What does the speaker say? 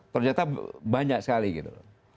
ternyata banyak sekali gitu